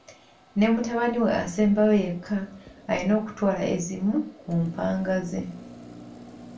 Ne mutabaniwe asembayo yekka ayina okutwala ezimu ku mpanga ze.